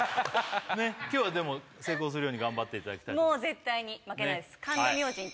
今日はでも成功するように頑張っていただきたいもう絶対に負けないですおお！